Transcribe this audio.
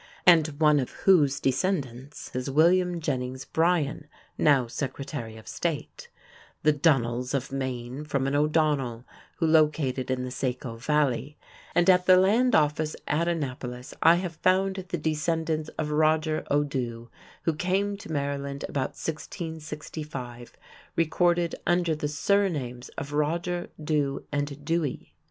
and one of whose descendants is William Jennings Bryan, now Secretary of State; the Dunnels of Maine, from an O'Donnell who located in the Saco Valley; and at the Land Office at Annapolis I have found the descendants of Roger O'Dewe, who came to Maryland about 1665, recorded under the surnames of "Roger", "Dew", and "Dewey".